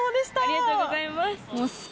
ありがとうございます。